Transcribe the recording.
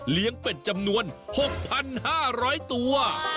เลี้ยงเป็ดจำนวน๖๕๐๐ตัว